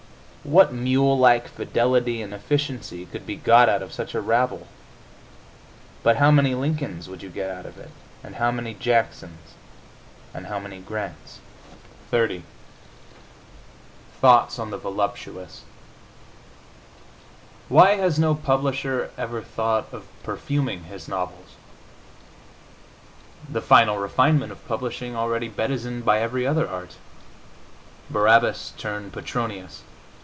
What mule like fidelity and efficiency could be got out of such a rabble! But how many Lincolns would you get out of it, and how many Jacksons, and how many Grants? XXX THOUGHTS ON THE VOLUPTUOUS Why has no publisher ever thought of perfuming his novels? The final refinement of publishing, already bedizened by every other art! Barabbas turned Petronius!